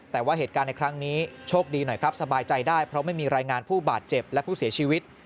แต่ว่าเหตุการณ์ในครั้งนี้โชคดีหน่อยครับสบายใจได้เพราะไม่มีรายงานผู้บาดเจ็บและผู้เสียชีวิต